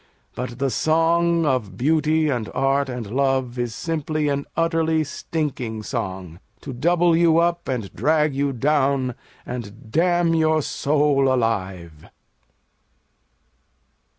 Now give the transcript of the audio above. But the song of Beauty and Art and Love Is simply an utterly stinking song, To double you up and drag you down And damn your soul alive.